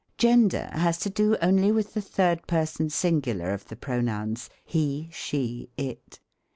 Gender has to do only with the third person singular of the pronouns, he, she, it.